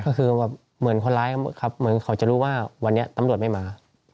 ก็คือแบบเหมือนคนร้ายครับเหมือนเขาจะรู้ว่าวันนี้ตำรวจไม่มา